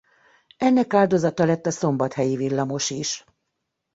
Ennek áldozata lett a szombathelyi villamos is.